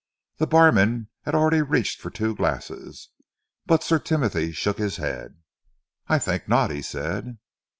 The barman had already reached up for two glasses but Sir Timothy shook his head. "I think not," he said.